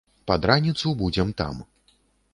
Пад раніцу будзем там!